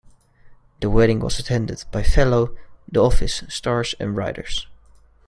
The wedding was attended by fellow "The Office" stars and writers.